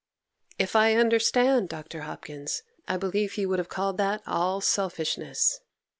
'If I understand Dr. Hopkins, I believe he would have called that all selfishness.